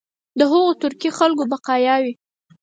د هغو ترکي خلکو بقایا وي.